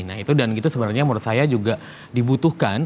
nah itu dan itu sebenarnya menurut saya juga dibutuhkan